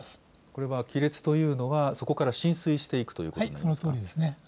これは亀裂というのは、そこから浸水していくということになそのとおりですね。